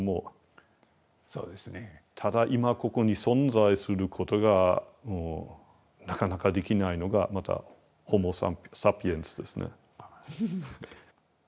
ただ今ここに存在することがもうなかなかできないのがまたホモサピエンスですね。